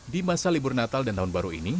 di masa libur natal dan tahun baru ini